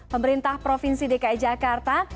pemerintah provinsi dki jakarta